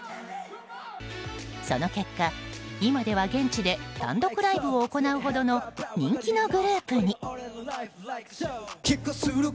その結果、今では現地で単独ライブを行うほどの人気のグループに。